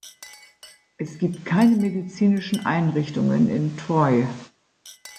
Es gibt keine medizinischen Einrichtungen in Troy.